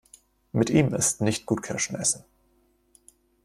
Mit ihm ist nicht gut Kirschen essen.